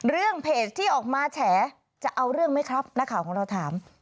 เรื่องเพจที่ออกมาแฉจะเอาเรื่องไหมครับนักข่าวของเราถาม